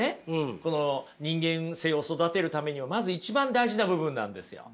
この人間性を育てるためにはまず一番大事な部分なんですよ。